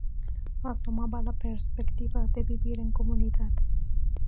Asomaba la perspectiva de vivir en comunidad.